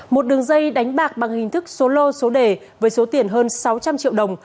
một đường dây đánh bạc bằng hình thức số lô số đề với số tiền hơn sáu trăm linh triệu đồng